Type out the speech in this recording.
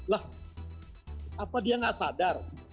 lah apa dia nggak sadar